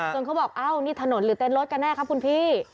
เขาบอกอ้าวนี่ถนนหรือเต้นรถกันแน่ครับคุณพี่